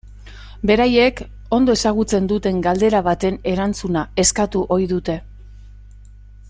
Beraiek ondo ezagutzen duten galdera baten erantzuna eskatu ohi dute.